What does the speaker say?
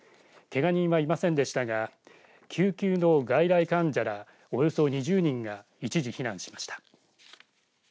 けが人はいませんでしたが救急の外来患者らおよそ２０人が一時、避難しました。